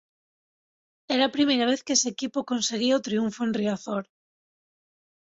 Era a primeira vez que ese equipo conseguía o triunfo en Riazor.